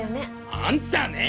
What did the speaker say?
あんたねえ！